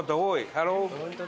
ハロー。